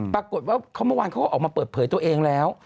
ปรากฏว่าเมื่อวานเขาก็ออกมาเปิดเผยตัวเองแล้ว